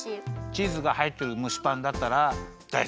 チーズがはいってるむしパンだったらだいすき？